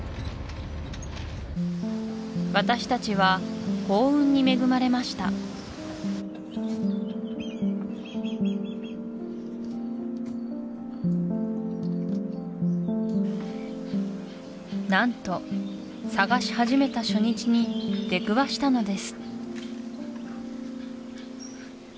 私たちは幸運に恵まれました何と探し始めた初日に出くわしたのです